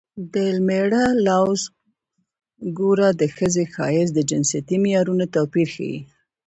د مېړه لوز ګوره د ښځې ښایست د جنسیتي معیارونو توپیر ښيي